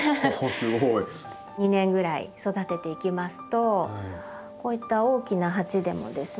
すごい。２年ぐらい育てていきますとこういった大きな鉢でもですね